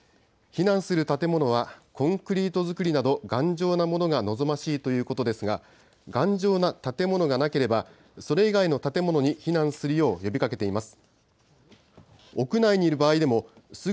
避難する建物は、コンクリート造りなど頑丈なものが望ましいということですが、頑丈な建物がなければ、それ以外の建物に避難するよう呼びかけています。